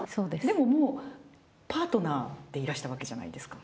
でももう、パートナーでいらしたわけじゃないですか？